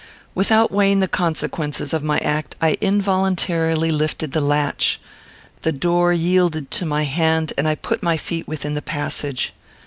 Without weighing the consequences of my act, I involuntarily lifted the latch. The door yielded to my hand, and I put my feet within the passage.